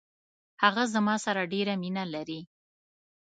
هغه زما سره ډیره مینه لري.